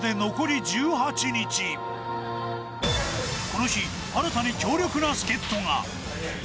この日、新たに強力な助っ人が。